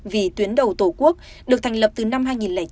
vì tuyến đầu tổ quốc được thành lập từ năm hai nghìn chín